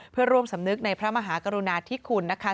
เพื่อร่วมสำนึกในพระมหากรุณาธิคุณนะคะ